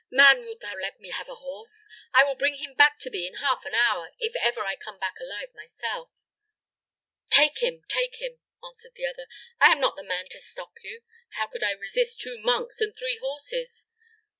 "Man, wilt thou let me have a horse? I will bring him back to thee in half an hour, if ever I come back alive myself." "Take him, take him," answered the other. "I am not the man to stop you. How could I resist two monks and three horses.